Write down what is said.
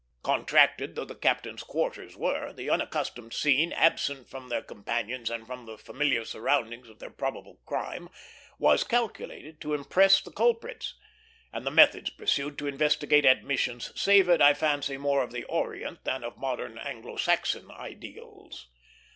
Contracted though the captain's quarters were, the unaccustomed scene, absent from their companions and from the familiar surroundings of their probable crime, was calculated to impress the culprits; and the methods pursued to instigate admissions savored, I fancy, more of the Orient than of modern Anglo Saxon ideals.